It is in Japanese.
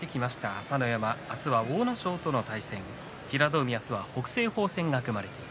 朝乃山あすは阿武咲との対戦。